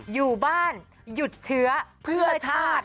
อยู่บ้านหยุดเชื้อเพื่อชาติ